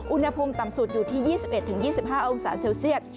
อุณหภูมิต่ำสุดอยู่ที่๒๑๒๕องศาเซลเซียต